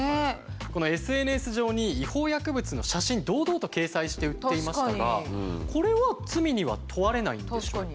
このＳＮＳ上に違法薬物の写真堂々と掲載して売っていましたがこれは罪には問われないんでしょうか？